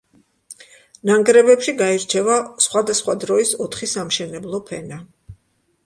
ნანგრევებში გაირჩევა სხვადასხვა დროის ოთხი სამშენებლო ფენა.